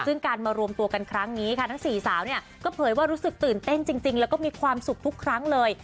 ซึ่งการมารวมตัวกันครั้งนี้ค่ะทั้งสี่สาวเนี่ยก็เผยว่ารู้สึกตื่นเต้นจริงแล้วก็มีความสุขทุกครั้งเลย